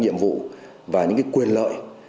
nhiệm vụ và những quyền lợi